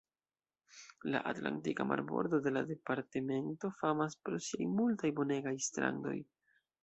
La Atlantika marbordo de la departemento famas pro siaj multaj bonegaj strandoj.